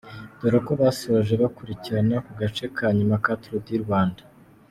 Dore uko basoje bakurikirana ku gace ka nyuma ka Tour du Rwanda .